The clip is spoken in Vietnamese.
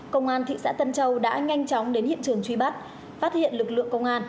công an thị xã tân châu đã nhanh chóng đến hiện trường truy bắt phát hiện lực lượng công an